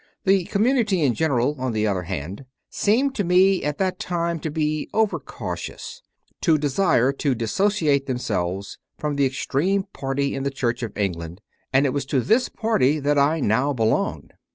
The community in general, on the other hand, seemed to me at that time to be over cautious, to desire to dissociate themselves from the extreme party in the Church of England; and it was to this party that I now belonged.